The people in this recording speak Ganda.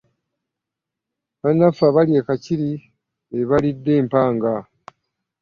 Bannaffe abali e Kakiri be balidde empanga.